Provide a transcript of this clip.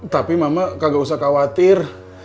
tapi mama gak usah khawatir